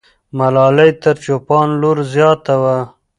ملالۍ تر چوپان لور زیاته وه.